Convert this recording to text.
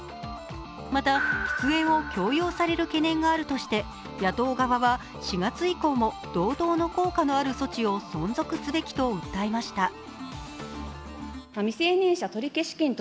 また、出演を強要される懸念があるとして野党側は４月以降も同等の効果のある措置を存続すべきと訴えました。